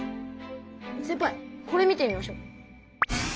せんぱいこれ見てみましょう。